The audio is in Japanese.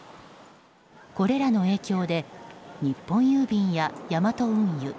これらの影響で日本郵便やヤマト運輸